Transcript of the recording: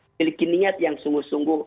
memiliki niat yang sungguh sungguh